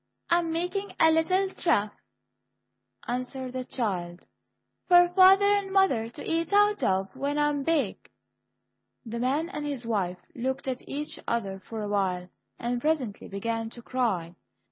"I am making a little trough," answered the child, "for father and mother to eat out of when I am big." The man and his wife looked at each other for a while, and presently began to cry.